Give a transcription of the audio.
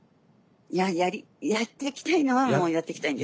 いややっていきたいのはもうやっていきたいんです。